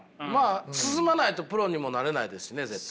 進まないとプロにもなれないですしね絶対。